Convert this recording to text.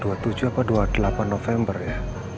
dua puluh tujuh atau dua puluh delapan november ya